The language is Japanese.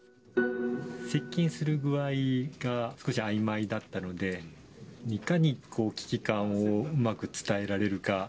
接近する具合が少しあいまいだったので、いかに危機感をうまく伝えられるか。